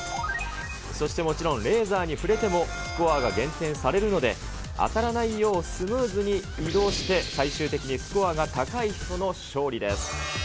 そしてもちろんレーザーに触れてもスコアが減点されるので、当たらないようスムーズに移動して、最終的にスコアが高い人の勝利です。